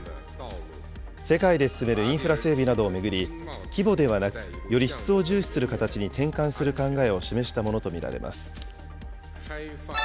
世界で進めるインフラ整備などを巡り、規模ではなく、より質を重視する形に転換する考えを示したものと見られます。